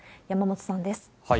山本さんです。